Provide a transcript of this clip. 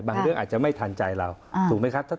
เรื่องอาจจะไม่ทันใจเราถูกไหมครับ